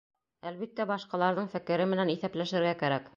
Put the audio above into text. Әлбиттә, башҡаларҙың фекере менән иҫәпләшергә кәрәк.